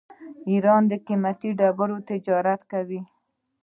ایران د قیمتي ډبرو تجارت کوي.